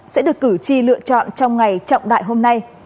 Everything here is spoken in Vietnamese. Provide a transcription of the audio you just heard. sẽ được cử tri lựa chọn trong ngày trọng đại hôm nay